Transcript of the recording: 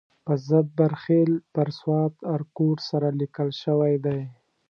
په زبر خېل بر سوات ارکوټ سره لیکل شوی دی.